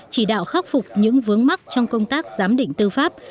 chỉ đạo khắc phục những vướng mắc trong công tác giám định tư pháp